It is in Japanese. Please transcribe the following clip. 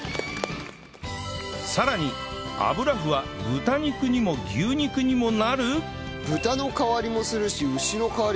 さらに油麩は豚肉にも牛肉にもなる！？